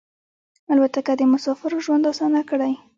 الوتکه د مسافرو ژوند اسانه کړی.